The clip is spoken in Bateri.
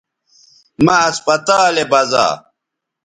مہ اسپتالے بزا